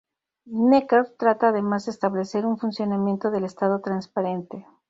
Necker trata además de establecer un funcionamiento del Estado transparente.